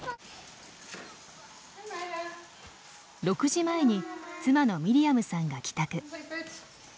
６時前に妻のミリアムさんが帰宅。